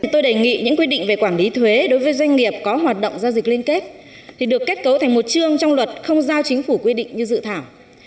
tôi đề nghị những quy định về quản lý thuế đối với doanh nghiệp có hoạt động giao dịch liên kết thì được kết cấu thành một chương trong luật không giao chính phủ quy định như dự thảo